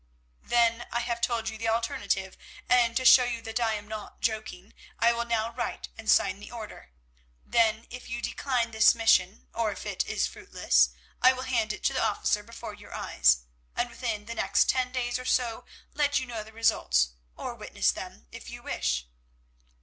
"Then I have told you the alternative, and to show you that I am not joking, I will now write and sign the order. Then, if you decline this mission, or if it is fruitless, I will hand it to the officer before your eyes—and within the next ten days or so let you know the results, or witness them if you wish."